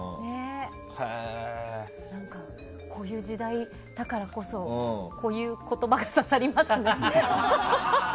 こういう時代だからこそこういう言葉が刺さりますね。